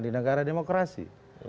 di negara demokrasi